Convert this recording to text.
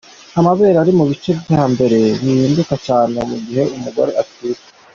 Amabere ari mu bice bya mbere bihinduka cyane mu gihe umugore atwite.